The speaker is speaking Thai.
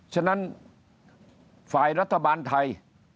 ฉะนั้นฝ่ายรัฐบาลไทย